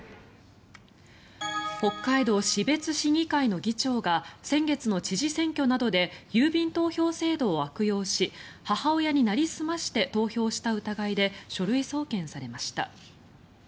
北海道士別市議会の議長が先月の知事選挙などで郵便投票制度を悪用し母親になりすまして投票した疑いで書類送検されました。